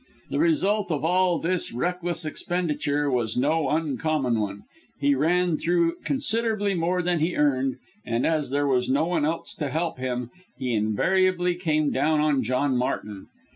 The result of all this reckless expenditure was no uncommon one he ran through considerably more than he earned and as there was no one else to help him he invariably came down on John Martin.